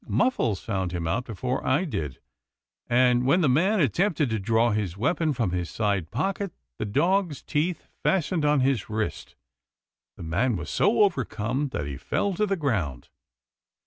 Muffles found him out before I did, and, when the man attempted to draw his weapon from his side pocket, the dog's teeth fastened on his wrist. The man was so overcome that he fell to the ground."